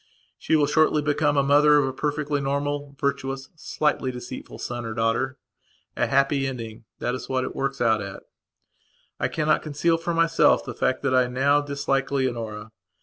She will shortly become a mother of a perfectly normal, virtuous slightly deceitful son or daughter. A happy ending, that is what it works out at. I cannot conceal from myself the fact that I now dislike Leonora.